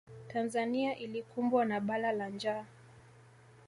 tanzania ilikumbwa na bala la njaa